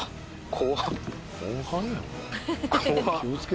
怖っ！